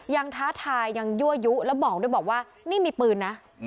ท้าทายยังยั่วยุแล้วบอกด้วยบอกว่านี่มีปืนนะ